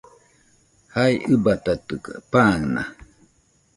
Jae ɨbatatikue, pan naa.